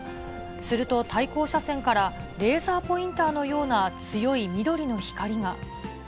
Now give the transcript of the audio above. すると、対向車線から、レーザーポインターのような、強い緑の光が。